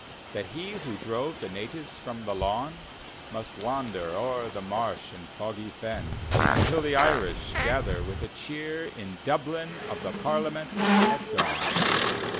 That he who drove the natives from the lawn, Must wander o'er the marsh and toggy fen Until the Irish gather with a cheer In Dublin of the Parliaments at dawn.